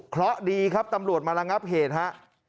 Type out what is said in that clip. เพราะดีครับตำรวจมาระงับเหตุฮะ